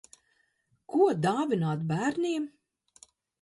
Ko dāvināt bērniem?